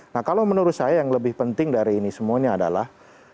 nah kalau menurut saya yang lebih penting dari ini semuanya adalah